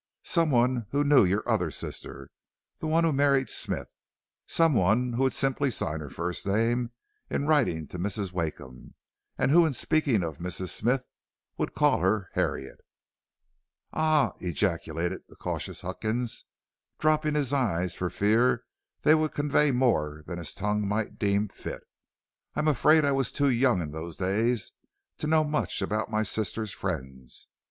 Some one who knew your other sister, the one who married Smith; some one who would simply sign her first name in writing to Mrs. Wakeham, and who in speaking of Mrs. Smith would call her Harriet." "Ah!" ejaculated the cautious Huckins, dropping his eyes for fear they would convey more than his tongue might deem fit. "I'm afraid I was too young in those days to know much about my sister's friends.